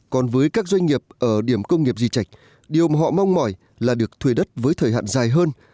còn với các doanh nghiệp ở điểm công nghiệp di trạch điều mà họ mong mỏi là được thuê đất với thời hạn dài hơn